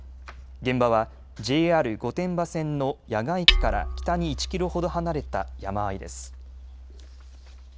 現場はＪＲ御殿場線の谷峨駅から北に１キロほど離れた山あいです。